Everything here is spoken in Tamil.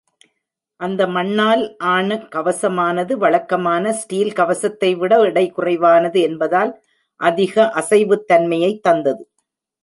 அந்த மண்ணால் ஆன கவசமானது வழக்கமான ஸ்டீல் கவசத்தை விட எடை குறைவானது என்பதால் அதிக அசைவுத்தன்மையைத் தந்தது.